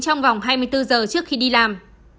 trong vòng hai mươi bốn giờ trước khi đi làm